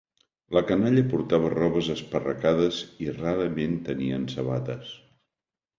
La canalla portava robes esparracades i rarament tenien sabates.